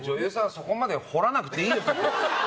そこまで掘らなくていいですよ。